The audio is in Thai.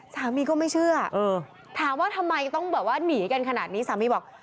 สามีก็ไม่เชื่อถามว่าทำไมต้องแบบว่าหนีกันขนาดนี้สามีบอก